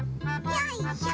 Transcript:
よいしょ。